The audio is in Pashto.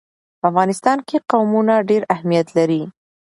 په افغانستان کې قومونه ډېر اهمیت لري.